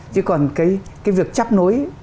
chứ còn cái việc chấp nối